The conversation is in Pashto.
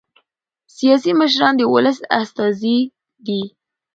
سیاسي مشران د ولس استازي دي